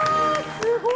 すごい。